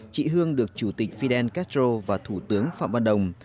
chị hương được chủ tịch fidel castro và thủ tướng phạm văn đồng